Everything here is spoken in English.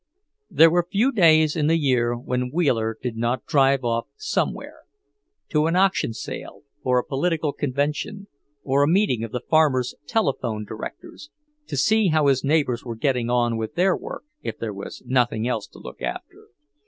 There were few days in the year when Wheeler did not drive off somewhere; to an auction sale, or a political convention, or a meeting of the Farmers' Telephone directors; to see how his neighbours were getting on with their work, if there was nothing else to look after.